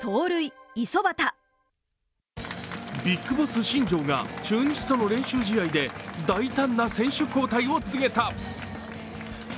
ビッグボス新庄が中日との練習試合で大胆な選手交代を告げた。